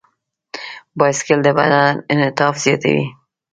بایسکل د بدن انعطاف زیاتوي.